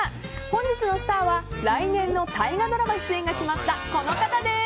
本日のスターは来年の大河ドラマ出演が決まったこの方です。